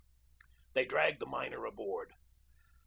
They dragged the miner aboard.